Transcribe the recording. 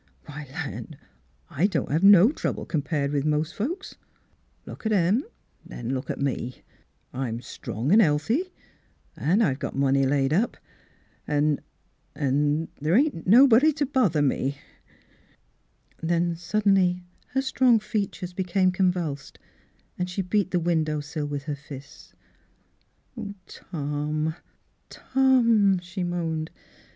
Why, land ! I don't have no trouble compared with most folks. Look at 'em ; then look at me. I'm strong Mdss Fhilura^s Wedding Gown an' healthy, an' I've got money laid up an' — an' the' ain't nobody t' bother me !" Then suddenly her strong features be came convlused, and she beat the window sill with her fists. " Oh, Tom — Tom !" she moaned.